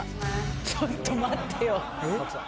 ちょっと待ってよ。